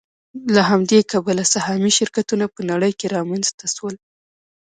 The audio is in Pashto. له همدې کبله سهامي شرکتونه په نړۍ کې رامنځته شول